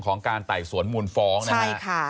ของการไต่สวนมูลฟ้องนะฮะ